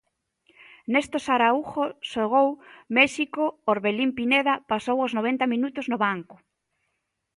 Néstor Araújo xogou con México, Orbelín Pineda pasou os noventa minutos no banco.